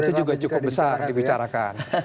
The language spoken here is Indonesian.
itu juga cukup besar dibicarakan